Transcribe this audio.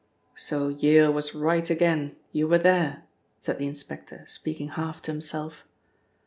"So Yale was right again. You were there!" said the inspector speaking half to himself.